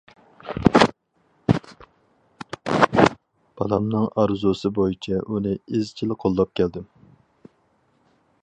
بالامنىڭ ئارزۇسى بويىچە ئۇنى ئىزچىل قوللاپ كەلدىم.